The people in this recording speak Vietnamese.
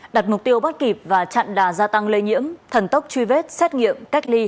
đặt mục tiêu bắt kịp và chặn đà gia tăng lây nhiễm thần tốc truy vết xét nghiệm cách ly